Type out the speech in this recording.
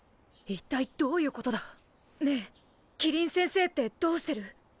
一体どういうことだ！ねえ希林先生ってどうしてる？